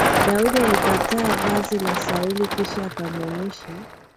Daudi alikata vazi la Sauli kisha akamuonyesha.